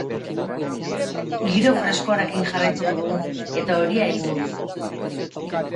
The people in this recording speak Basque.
Giro freskoarekin jarraituko dugu, eta euria egingo du.